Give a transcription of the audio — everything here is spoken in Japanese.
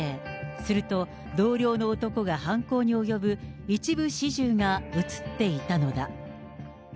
すると、同僚の男が犯行に及ぶ一部始終が写っていたのだ。